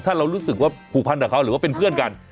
ถ้าเรารู้สึกว่าผูกพันกับเขาหรือว่าเป็นเพื่อนกัน